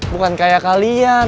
bukan kayak kalian